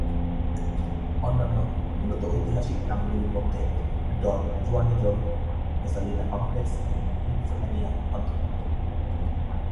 অন্যান্য, মূলত ঐতিহাসিক নামগুলির মধ্যে ডন জুয়ানিজম, মেসালিনা কমপ্লেক্স এবং নিম্ফোম্যানিয়া অন্তর্ভুক্ত।